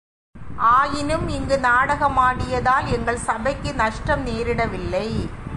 ஆயினும் இங்கு நாடகமாடியதால் எங்கள் சபைக்கு நஷ்டம் நேரிடவில்லை.